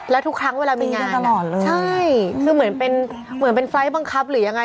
แล้วทุกครั้งเวลามีงานใช่คือเหมือนเป็นไฟล์ทบังคับหรือยังไง